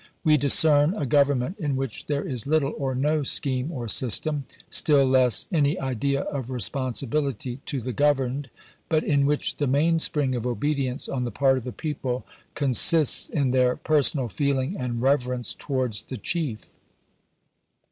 We discern a government in which there is little or no scheme or system, still less any idea of responsibility to the governed, but in which the mainspring of obedience on the part of the people consists in their personal feeling and reverence towards the chief.